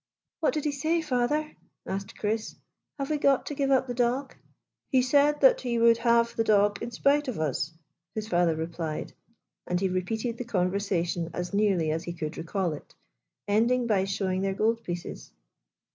" What did he say, father ?" asked Chris. " Have we got to give up the dog ?"" He said that he would have the dog in spite of us," his father replied, and he repeated the conversation as nearly as he could recall it, ending by showing their goldpieces.